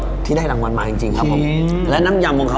อร่อยเชียบแน่นอนครับอร่อยเชียบแน่นอนครับ